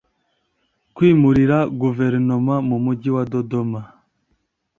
Kwimurira Guverinoma mu Mujyi wa Dodoma